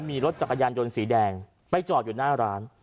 มีรถจักรยานยนต์สีแดงไปจอดอยู่หน้าร้าน